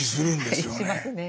しますねえ。